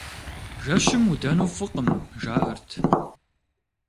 Жэщым удэну фӀыкъым, жаӀэрт.